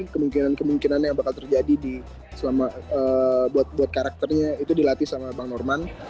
kemungkinan kemungkinan yang bakal terjadi selama buat karakternya itu dilatih sama bang norman